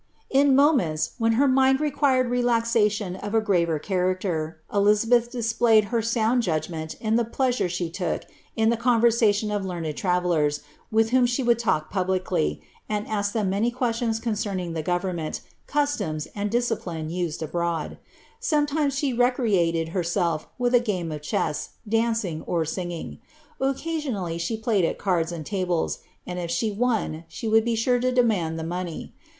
' In miunents, when her mind required relaxation of a graver cha™^ ler, Ehzubeih displayed her sound judgment in the pleasure she i.Kit iQ the conversalion of learned travellers, with whom she would talk pub ' fine on. ' Lloyd. Slale Worlhlei •BBCOn's ApophUiejmi. ' Lodge, vol. ii. BLIIABBTH. licly, and ask them many questions concerning the goveroment, cus* toms, and discipline used abroad. Sometimes she recreated herself with a game of chess, dancing, or singing. Occasionally she played at cards and tables, and if she won, she would be sure to demand the money.